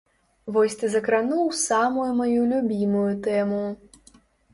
Вось ты закрануў самую маю любімую тэму.